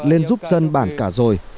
lên giúp dân bản cảnh